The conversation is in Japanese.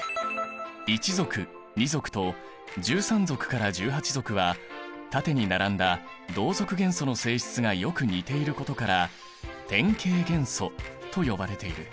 １族２族と１３族から１８族は縦に並んだ同族元素の性質がよく似ていることから典型元素と呼ばれている。